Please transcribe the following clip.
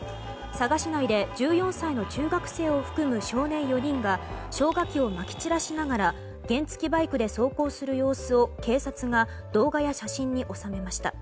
佐賀市内で１４歳の中学生を含む少年４人が消火器をまき散らしながら原付きバイクで走行する様子を警察が動画や写真に収めました。